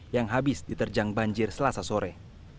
yang habis diterjang banjir selasa sore